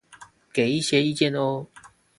給一些意見喔!